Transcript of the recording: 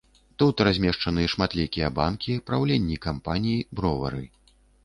Тут размешчаны шматлікія банкі, праўленні кампаній, бровары.